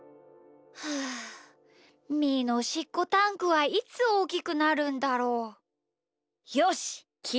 はあみーのおしっこタンクはいつおおきくなるんだろう？よしっきいてみよう！